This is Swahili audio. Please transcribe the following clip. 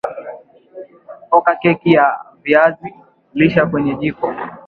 Oka keki ya viazi lishe kwenye jiko